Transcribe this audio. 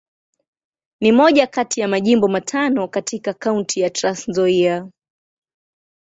Ni moja kati ya Majimbo matano katika Kaunti ya Trans-Nzoia.